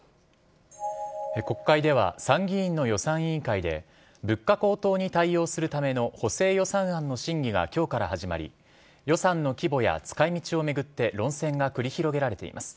国会では、参議院の予算委員会で、物価高騰に対応するための補正予算案の審議がきょうから始まり、予算の規模や使いみちを巡って論戦が繰り広げられています。